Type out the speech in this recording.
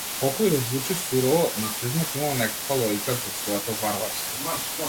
Колку и да е звучи сурово, нацизмот имал некаква логика зад своето варварство.